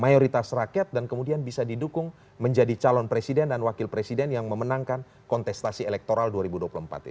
mayoritas rakyat dan kemudian bisa didukung menjadi calon presiden dan wakil presiden yang memenangkan kontestasi elektoral dua ribu dua puluh empat ini